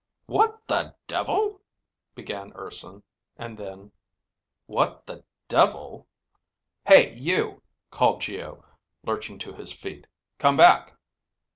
"What the devil," began Urson, and then, "What the devil!" "Hey you," called Geo, lurching to his feet. "Come back!"